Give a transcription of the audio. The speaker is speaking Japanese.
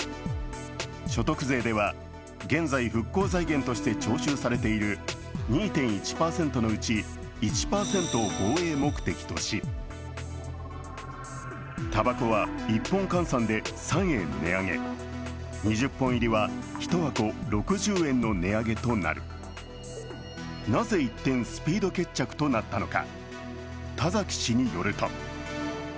所得税では、現在復興財源として徴収されている２．１％のうち１％を防衛目的とし、たばこは１本換算で３円値上げ、２０本入りは１箱６０円の値上げとなるなぜ一転、スピード決着となったのか。